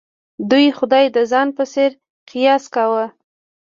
دوی خدای د ځان په څېر قیاس کاوه.